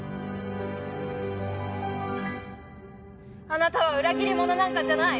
あなたは裏切り者なんかじゃない！